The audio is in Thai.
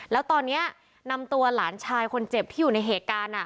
แล้วตอนนี้นำตัวหลานชายคนเจ็บที่อยู่ในเหตุการณ์